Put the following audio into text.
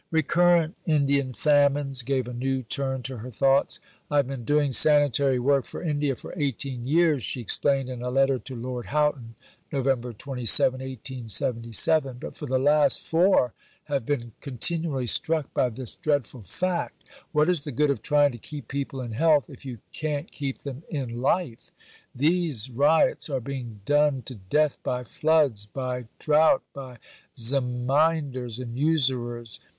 Recurrent Indian famines gave a new turn to her thoughts. "I have been doing sanitary work for India for 18 years," she explained in a letter to Lord Houghton (Nov. 27, 1877); "but for the last four have been continually struck by this dreadful fact: What is the good of trying to keep people in health if you can't keep them in life? These ryots are being done to death by floods, by drought, by Zemindars, and usurers.